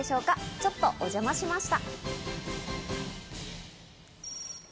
ちょっとお邪魔をしました。